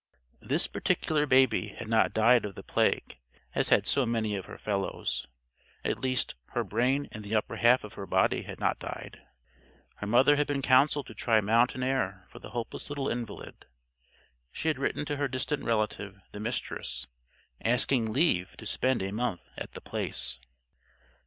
This particular Baby had not died of the plague, as had so many of her fellows. At least, her brain and the upper half of her body had not died. Her mother had been counseled to try mountain air for the hopeless little invalid. She had written to her distant relative, the Mistress, asking leave to spend a month at The Place.